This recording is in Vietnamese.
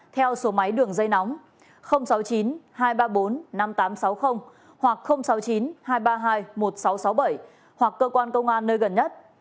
theo số máy đường dây nóng sáu mươi chín hai trăm ba mươi bốn năm nghìn tám trăm sáu mươi hoặc sáu mươi chín hai trăm ba mươi hai một nghìn sáu trăm sáu mươi bảy hoặc cơ quan công an nơi gần nhất